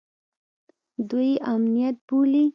دوى يې امنيت بولي.